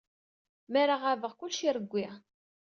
Mi ara ɣabeɣ, kullec irewwi.